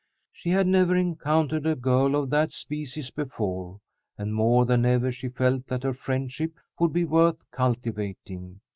She had never encountered a girl of that species before, and more than ever she felt that her friendship would be worth cultivating.